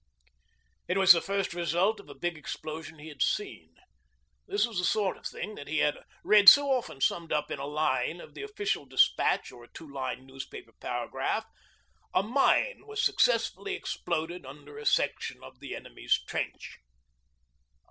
It was the first result of a big explosion he had seen. This was the sort of thing that he had read so often summed up in a line of the Official Despatch or a two line newspaper paragraph: 'A mine was successfully exploded under a section of the enemy's trench.'